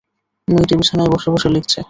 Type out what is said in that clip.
মেয়েটি বিছানায় বসে বসে লিখেছে।